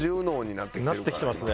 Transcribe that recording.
なってきてますね。